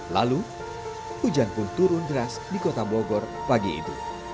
lalu hujan pun turun deras di kota bogor pagi itu